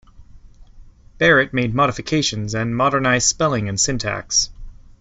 Barrett made modifications and modernized spelling and syntax.